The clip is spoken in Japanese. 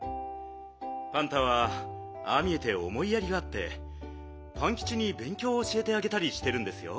パンタはああ見えておもいやりがあってパンキチにべんきょうをおしえてあげたりしてるんですよ。